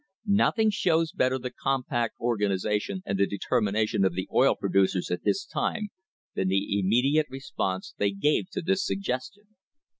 Nothing shows better the compact organisation and the determination of the oil producers at this time than the immediate response they gave to this suggestion.